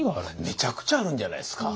めちゃくちゃあるんじゃないですか。